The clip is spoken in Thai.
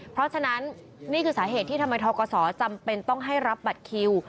เพราะฉะนั้นนี่คือสาเหตุที่ทำไมทกศจำเป็นต้องให้รับบัตรคิว